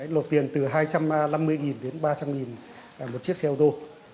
lộp tiền từ hai trăm năm mươi đến ba trăm linh một chiếc xe ô tô